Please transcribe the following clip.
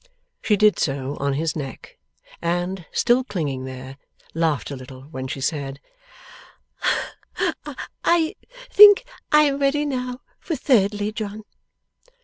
She did so on his neck, and, still clinging there, laughed a little when she said, 'I think I am ready now for Thirdly, John.